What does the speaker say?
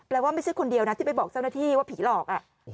ว่าไม่ใช่คนเดียวนะที่ไปบอกเจ้าหน้าที่ว่าผีหลอก